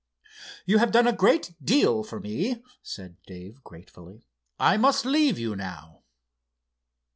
"You have done a great deal for me," said Dave gratefully. "I must leave you now."